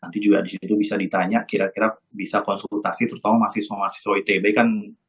nanti juga disitu bisa ditanya kira kira bisa konsultasi terutama mahasiswa mahasiswa itb kan